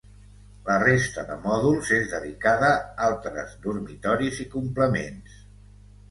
La resta de mòduls és dedicada altres dormitoris i complements.